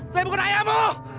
saya bukan ayahmu